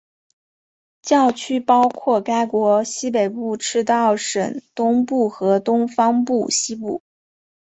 教区包括该国西北部赤道省东部和东方省西部。